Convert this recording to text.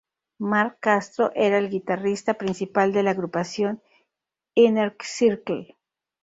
Mark Castro era el guitarrista principal de la agrupación Inner Circle.